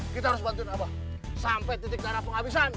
kita harus bantuin apa sampai titik darah penghabisan